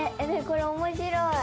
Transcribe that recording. これ面白い。